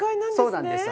そうなんです。